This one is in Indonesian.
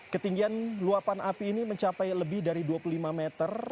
ketinggian luapan api ini mencapai lebih dari dua puluh lima meter